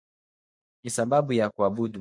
Ninasababu ya kukuabudu.